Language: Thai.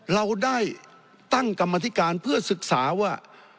เราได้ตั้งกรรมธิการเพื่อศึกษาว่า